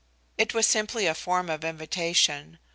It was simply a form of invitation.